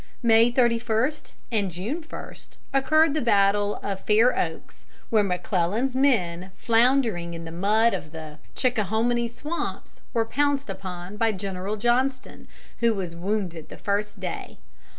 May 31 and June 1 occurred the battle of Fair Oaks, where McClellan's men floundering in the mud of the Chickahominy swamps were pounced upon by General Johnston, who was wounded the first day.